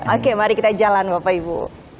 oke mari kita jalan bapak ibu